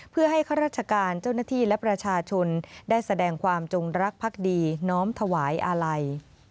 เพื่อให้ข้าราชการเจ้าหน้าที่และประชาชนได้แสดงความจงรักพักดีน้อมถวายอาลัย